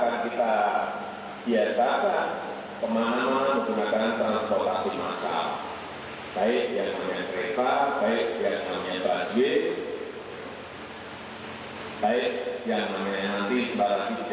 tanpa itu di kota manapun di seluruh dunia